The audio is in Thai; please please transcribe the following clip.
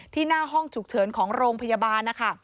หน้าห้องฉุกเฉินของโรงพยาบาลนะคะ